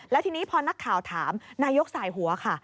แล้วทีนี้พอนักข่าวถามนายกสายหัวค่ะ